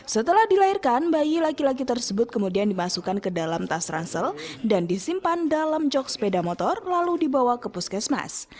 setelah dilahirkan bayi laki laki tersebut kemudian dimasukkan ke dalam tas ransel dan disimpan dalam jog sepeda motor lalu dibawa ke puskesmas